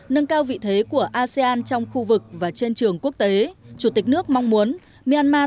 nâng cao vị thế của asean trong khu vực và trên trường quốc tế chủ tịch nước mong muốn myanmar